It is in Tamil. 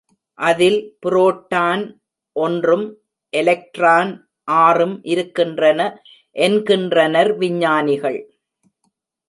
அதில் புரோட்டான் ஒன்றும் எலக்ட்ரான் ஆறும் இருக்கின்றன என்கின்றனர் விஞ்ஞானிகள்.